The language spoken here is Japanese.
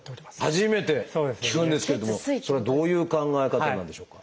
初めて聞くんですけれどもそれはどういう考え方なんでしょうか？